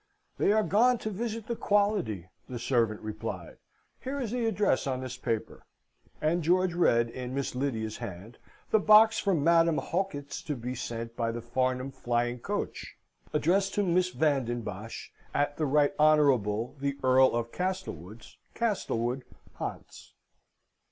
"They are gone to visit the quality," the servant replied. "Here is the address on this paper;" and George read, in Miss Lydia's hand, "The box from Madam Hocquet's to be sent by the Farnham Flying Coach; addressed to Miss Van den Bosch, at the Right Honourable the Earl of Castlewood's, Castlewood, Hants."